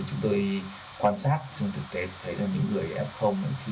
chúng tôi quan sát trong thực tế thấy là những người f